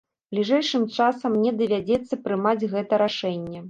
Бліжэйшым часам мне давядзецца прымаць гэта рашэнне.